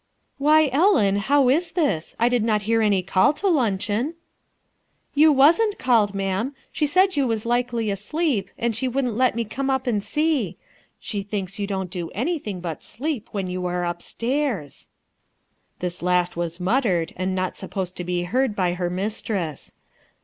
"Why, Ellen, how is this? I did not hear any call to luncheon." "You wasn't called, ma'am. She said you was likely asleep, and she wouldn't let mc come up and see. She thinks you don't do anything but sleep when you are upstairs 1" This last was muttered, and not supposed to be heard by her mistress.